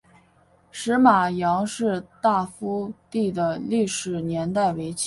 石码杨氏大夫第的历史年代为清。